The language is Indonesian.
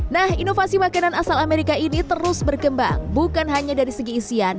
nah inovasi makanan asal amerika ini terus berkembang bukan hanya dari segi isian